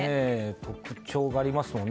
特徴がありますよね。